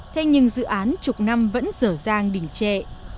thế nhưng dự án chục năm vẫn dở dàng đình trệ